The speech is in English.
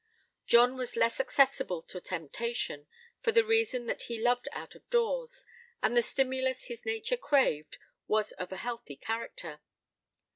John was less accessible to temptation, for the reason that he loved out of doors, and the stimulus his nature craved was of a healthy character.